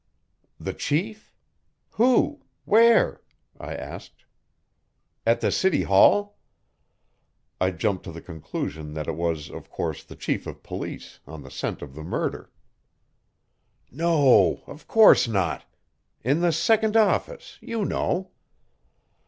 "The chief? Who? Where?" I asked. "At the City Hall?" I jumped to the conclusion that it was, of course, the chief of police, on the scent of the murder. "No. Of course not. In the second office, you know."